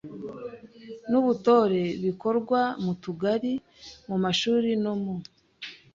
w’ubutore bikorwa mu Tugari, mu mashuri no mu